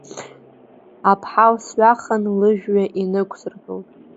Аԥҳал сҩахан, лыжәҩа инықусыргылт.